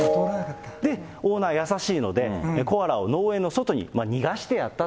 オーナー優しいので、コアラを農園の外に逃がしてやったと。